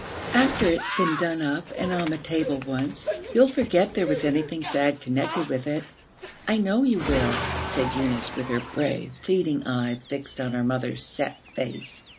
'After it's been done up and on the table once, you'll forget there was anything sad connected with it. I know you will,' said Eunice, with her brave, pleading eyes fixed on her mother's set face.